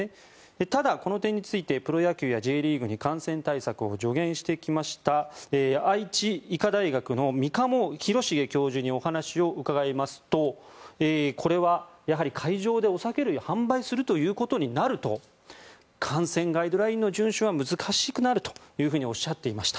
ただ、この点についてプロ野球やＪリーグに感染対策を助言してきました愛知医科大学の三鴨廣繁教授にお話を伺いますとこれはやはり会場でお酒類販売することになると観戦ガイドラインの順守は難しくなるとおっしゃっていました。